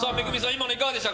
今のいかがでした？